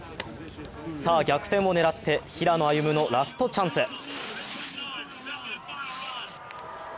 逆転を狙って平野歩夢のラストチャンス。